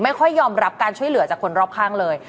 คอยยอมรับการช่วยเหลือจากคนรอบข้างเลย